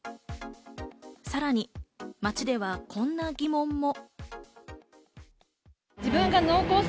さらに、街ではこんな疑問も。